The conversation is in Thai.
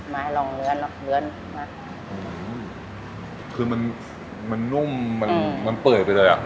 มาลองเนื้อน่ะเนื้อนคือมันมันนุ่มมันมันเปิดไปเลยอ่ะ